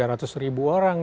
tiga ratus ribu orang